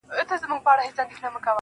زه درته مار سومه که ته راته ښاماره سوې,